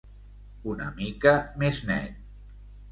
Una mica més net.